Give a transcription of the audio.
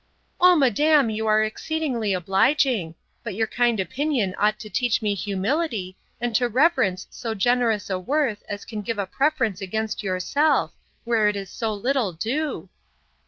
O, madam, you are exceedingly obliging! but your kind opinion ought to teach me humility, and to reverence so generous a worth as can give a preference against yourself, where it is so little due.